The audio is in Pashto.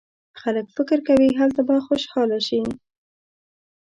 خلک فکر کوي هلته به خوشاله شي.